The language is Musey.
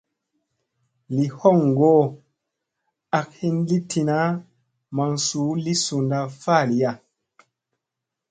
Li hoŋgo ak hin li tina maŋ suu li sunda faliya.